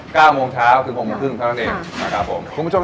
ก็เรียกว่าถนนดีบุกค่ะ